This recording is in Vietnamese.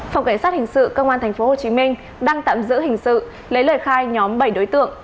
phòng cảnh sát hình sự công an tp hcm đang tạm giữ hình sự lấy lời khai nhóm bảy đối tượng